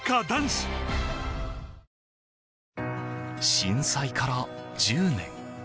震災から１０年。